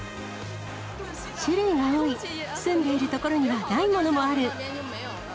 種類が多い、住んでいる所にはないものもある。